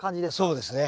そうですね。